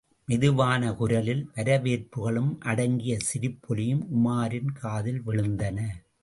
மெதுவான குரலில் வரவேற்புகளும், அடங்கிய சிரிப்பொலியும் உமாரின் காதில் விழுந்தன.